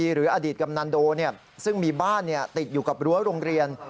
หรืออดีตกำนันโดซึ่งมีบ้านติดอยู่กับรั้วโรงเรียน